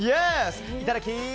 いただき！